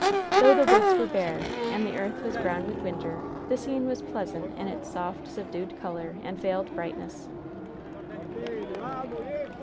Though the woods were bare, and the earth was brown with winter, the scene was pleasant in its soft, subdued color and veiled brightness.